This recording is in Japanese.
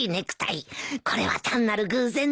これは単なる偶然だろうか。